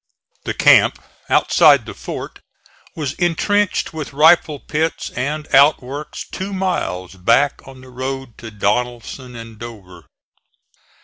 The camp outside the fort was intrenched, with rifle pits and outworks two miles back on the road to Donelson and Dover.